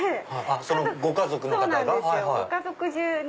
そのご家族の方が。